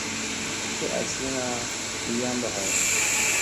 Tle asina vii yamba hay.